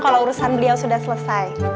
kalau urusan beliau sudah selesai